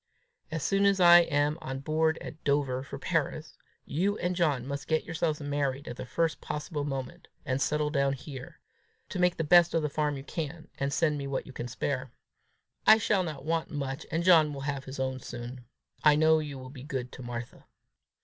As soon as I am on board at Dover for Paris, you and John must get yourselves married the first possible moment, and settle down here to make the best of the farm you can, and send me what you can spare. I shall not want much, and John will have his own soon. I know you will be good to Martha!"